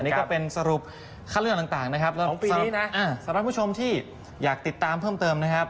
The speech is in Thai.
นี่ก็เป็นสรุปขั้นเรื่องต่างนะครับสำหรับผู้ชมที่อยากติดตามเพิ่มเติมนะครับ